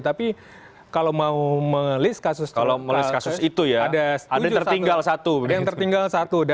tapi kalau mau melis kasus itu ya ada yang tertinggal satu